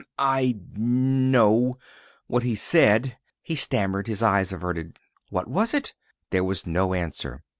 "I know what he said," he stammered, his eyes averted. "What was it?" There was no answer.